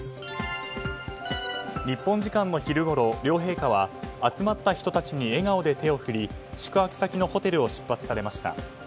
日本時間の昼ごろ、両陛下は集まった人たちに笑顔で手を振り宿泊先のホテルを出発されました。